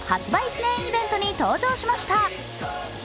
記念イベントに登場しました。